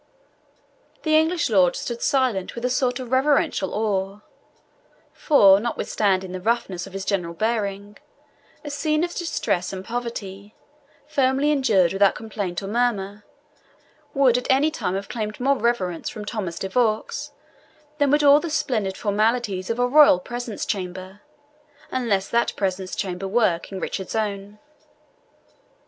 The English lord stood silent with a sort of reverential awe; for notwithstanding the roughness of his general bearing, a scene of distress and poverty, firmly endured without complaint or murmur, would at any time have claimed more reverence from Thomas de Vaux than would all the splendid formalities of a royal presence chamber, unless that presence chamber were King Richard's own.